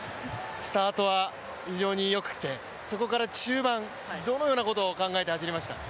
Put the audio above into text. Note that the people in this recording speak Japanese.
スタートは、非常によくて、そこから中盤どのようなことを考えて走りましたか？